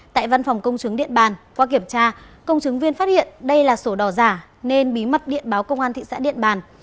tại văn phòng công chứng điện bàn qua kiểm tra công chứng viên phát hiện đây là sổ đỏ giả nên bí mật điện báo công an thị xã điện bàn